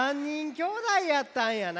きょうだいやったんやな。